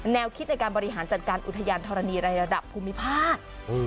แนวคิดในการบริหารจัดการอุทยานธรณีในระดับภูมิภาค